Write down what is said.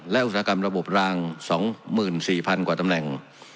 และอุตสาหกรรมระบบรางสองหมื่นสี่พันกว่าตำแหน่ง